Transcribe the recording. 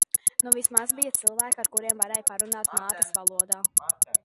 Nu vismaz bija cilvēki ar kuriem varēja parunāt mātes valodā.